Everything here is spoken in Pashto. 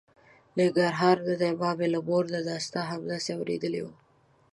ننګرهار نه دی، ما مې له مور نه دا ستا همداسې اورېدې وه.